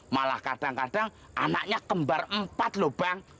malah kadang kadang anaknya kembar empat loh bang